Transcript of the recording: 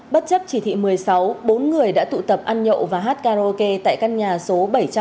bất chấp chỉ thị một mươi sáu bốn người đã tụ tập ăn nhậu và hát karaoke tại căn nhà số